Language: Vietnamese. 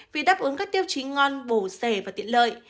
vì đáp ứng các tiêu chí ngon bổ sẻ và tiện lợi